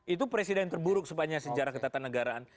itu presiden terburuk sepanjang sejarah ketatanegaraan